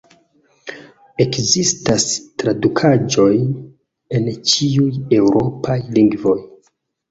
Ekzistas tradukaĵoj en ĉiuj eŭropaj lingvoj.